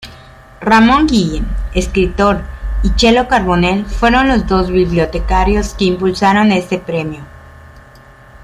Ramón Guillem, escritor, y Chelo Carbonell, fueron los dos bibliotecarios que impulsaron este premio.